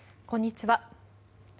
こんにちは。